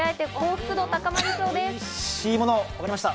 おいしいもの、わかりました。